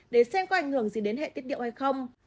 để xem có ảnh hưởng gì đến hệ tiết điệu hay không